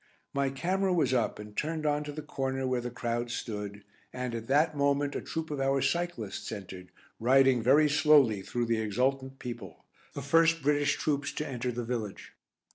My camera was up and turned on to the corner where the crowd stood and, at that moment, a troop of our cyclists entered, riding very slowly through the exultant people the first British troops to enter the village.